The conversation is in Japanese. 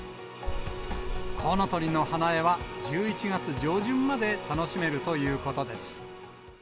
コウノトリの花絵は１１月上旬まで楽しめるということです。